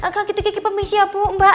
kalau gitu kiki pamit siap mbak